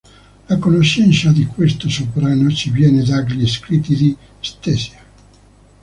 La conoscenza di questo sovrano ci viene dagli scritti di Ctesia.